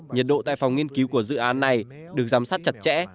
nhiệt độ tại phòng nghiên cứu của dự án này được giám sát chặt chẽ